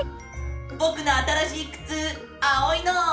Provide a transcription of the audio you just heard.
ぼくのあたらしいくつあおいの！